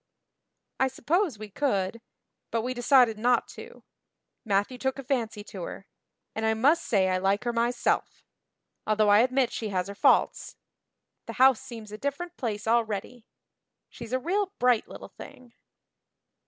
"I suppose we could, but we decided not to. Matthew took a fancy to her. And I must say I like her myself although I admit she has her faults. The house seems a different place already. She's a real bright little thing."